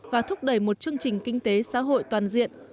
và thúc đẩy một chương trình kinh tế xã hội toàn diện